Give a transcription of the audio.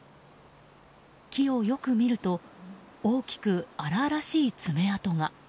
木をよく見ると大きく荒々しい爪痕が。